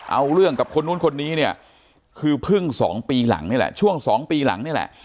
เอาเรื่องกับคนนู้นคนนี้เนี่ยคือเพิ่ง๒ปีหลังนี่แหละ